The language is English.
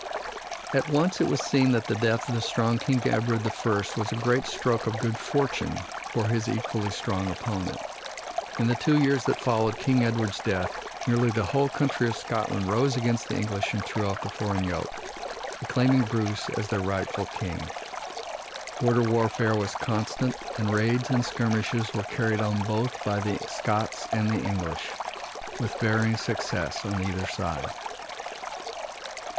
At once it was seen that the death of the strong King Edward the First was a great stroke of good fortune for his equally strong opponent. In the two years that followed King Edward's death nearly the whole country of Scotland rose against the English and threw off the foreign yoke, acclaiming Bruce as their rightful king. Border warfare was constant and raids and skirmishes were carried on both by the Scots and the English, with varying success on either side.